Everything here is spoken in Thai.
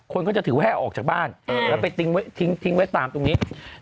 คนก็จะถือแว่ออกจากบ้านแล้วไปทิ้งไว้ตามตรงนี้